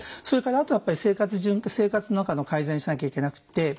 それからあとはやっぱり生活の中の改善しなきゃいけなくて。